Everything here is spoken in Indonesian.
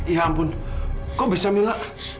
ya ampun kok bisa mila